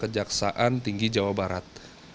jaksaan tinggi jawa barat